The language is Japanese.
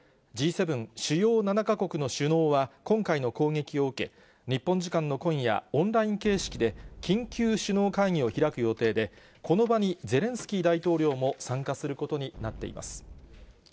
Ｇ７・主要７か国の首脳は、今回の攻撃を受け、日本時間の今夜、オンライン形式で、緊急首脳会議を開く予定で、この場にゼレンスキー大統領も参加することになっています。